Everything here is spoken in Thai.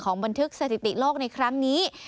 ของบันทึกสถิติโลกในคลับนี้